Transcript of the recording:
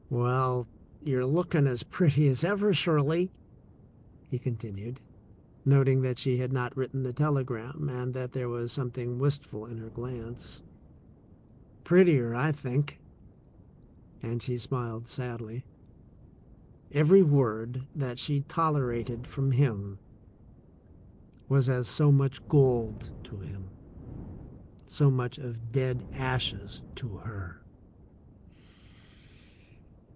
"Well, you're looking as pretty as ever, Shirley,'* he continued, noting that she had not written the tele gram and that there was something wistful in her glance. "Prettier, I think," and she smiled sadly. Every word that she tolerated from him was as so much gold to him, so much of dead ashes to her.